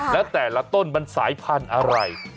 แล้วแต่ละต้นมันสายพันธุ์อะไร